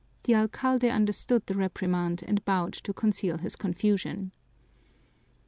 The alcalde understood the reprimand and bowed to conceal his confusion.